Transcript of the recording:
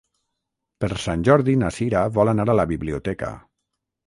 Per Sant Jordi na Sira vol anar a la biblioteca.